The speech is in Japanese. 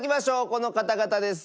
この方々です。